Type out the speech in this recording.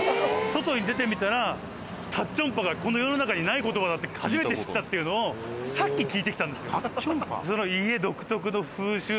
外に出てみたらタッチョンパがこの世の中にない言葉だって初めて知ったっていうのをさっき聞いてきたんですよ。